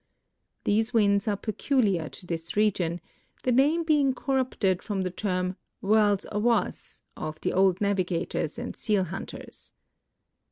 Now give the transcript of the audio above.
These winds are peculiar to this region, the name being corrupted from the term "whirl awas" of the old navigators and seal hunters.